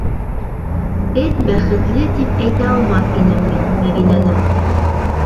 Эт бәхетле тип әйтә алмаҫ инем мин Мәҙинәне...